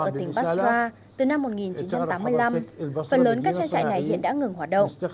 ở tỉnh basra từ năm một nghìn chín trăm tám mươi năm phần lớn các trang trại này hiện đã ngừng hoạt động